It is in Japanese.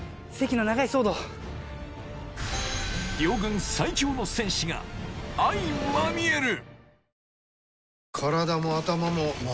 両軍最強の戦士が相まみえる！